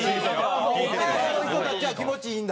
岡山の人たちは気持ちいいんだ？